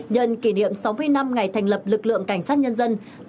nhân kỷ niệm sáu mươi năm ngày thành lập lực lượng cảnh sát nhân dân